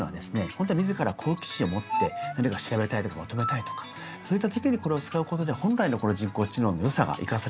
本当は自ら好奇心を持って何か調べたいとか求めたいとかそういったときにこれを使うことで本来のこの人工知能の良さがいかされるところだと思うんですね。